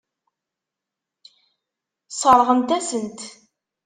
Sseṛɣent-asen-t.